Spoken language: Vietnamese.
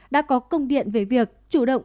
đã có công điện về việc chủ động